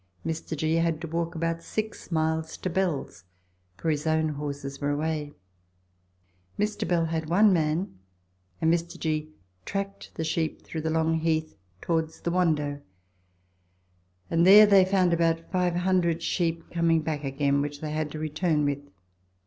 Mr. G. had to walk about six miles to Bell's, for his own horses were away. Mf. Bell had one man, and Mr. G. tracked the sheep through a long heath towards the Wando, and they found about 500 sheep coming back again, which they had to return with.